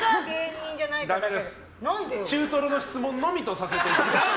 中トロの質問のみとさせていただきます。